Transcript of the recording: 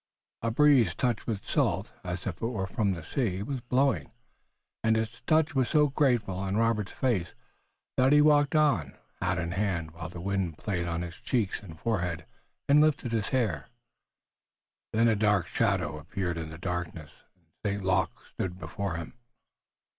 A breeze touched with salt, as if from the sea, was blowing, and its touch was so grateful on Robert's face that he walked on, hat in hand, while the wind played on his cheeks and forehead and lifted his hair. Then a darker shadow appeared in the darkness, and St. Luc stood before him.